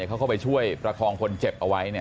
เขาเข้าไปช่วยประคองคนเจ็บเอาไว้